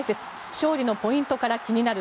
勝利のポイントから気になる